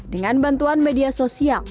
dengan bantuan media sosial